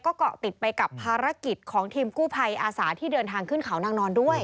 เกาะติดไปกับภารกิจของทีมกู้ภัยอาสาที่เดินทางขึ้นเขานางนอนด้วย